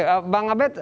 oke bang abed